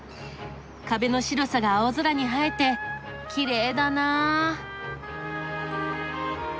壁の白さが青空に映えてきれいだな。